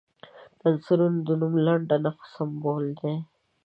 د عنصر د نوم لنډه نښه سمبول دی.